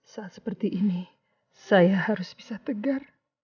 saat seperti ini saya harus bisa tegar